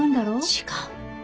違う。